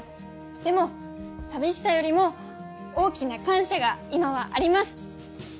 でも寂しさよりも大きな感謝が今はあります！